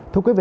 thưa quý vị